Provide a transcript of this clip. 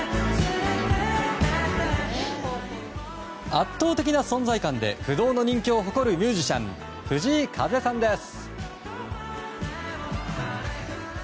圧倒的な存在感で不動の人気を誇るミュージシャン藤井風さんです。